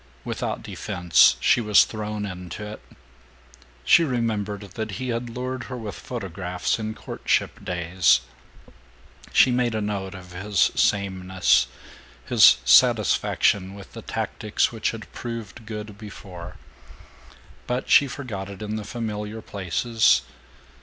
Without defense, she was thrown into it. She remembered that he had lured her with photographs in courtship days; she made a note of his sameness, his satisfaction with the tactics which had proved good before; but she forgot it in the familiar places.